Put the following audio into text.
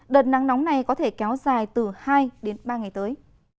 đợt nắng nóng này có thể kéo dài từ hai đến ba ngày tới